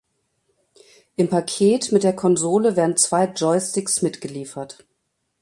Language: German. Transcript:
Im Paket mit der Konsole werden zwei Joysticks mitgeliefert.